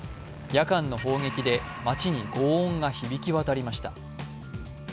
夜間の砲撃で町に轟音が響きわたりました。